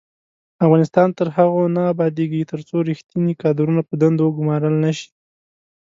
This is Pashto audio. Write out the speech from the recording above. افغانستان تر هغو نه ابادیږي، ترڅو ریښتیني کادرونه په دندو وګمارل نشي.